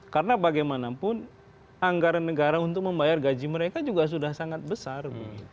karena bagaimanapun anggaran negara untuk membayar gaji mereka juga sudah sangat besar